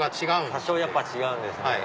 多少やっぱ違うんですね。